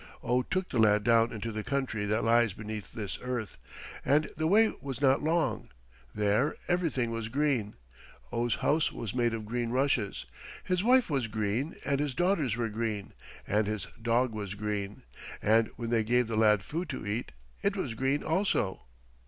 Oh took the lad down into the country that lies beneath this earth, and the way was not long. There everything was green. Oh's house was made of green rushes. His wife was green and his daughters were green and his dog was green, and when they gave the lad food to eat, it was green also.